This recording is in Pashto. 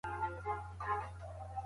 هغه میرمنې هېرې نه کړې.